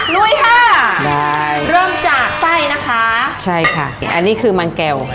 ลุยค่ะเริ่มจากไส้นะคะใช่ค่ะอันนี้คือมันแก่ว